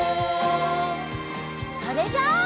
それじゃあ。